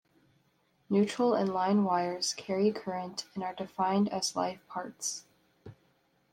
Neutral and line wires carry current and are defined as live parts.